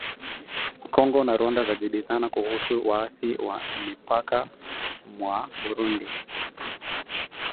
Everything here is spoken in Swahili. Kongo na Rwanda zajibizana kuhusu waasi wa mipakani mwa Burundi